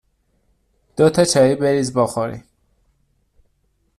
دو تا چایی بریز بخوریم